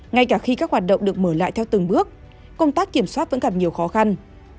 ngay cả khi các hoạt động được mở lại theo từng bước công tác kiểm soát vẫn gặp nhiều khó khăn